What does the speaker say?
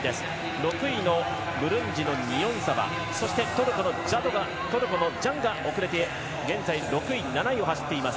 ６位のニヨンサバそしてトルコのジャンが遅れて現在６位、７位を走っています。